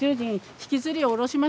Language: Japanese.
引きずり下ろして。